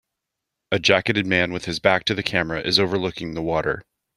A jacketed man with his back to the camera is overlooking the water.